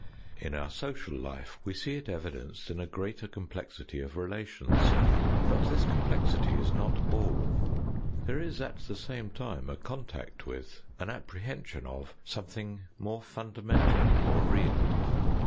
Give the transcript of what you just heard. In our social life we see it evidenced in a greater complexity of relations. But this com plexity is not all. There is, at the same time, a contact with, an apprehension of, something more fundamental, more real.